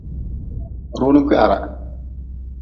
Runi kwiharah.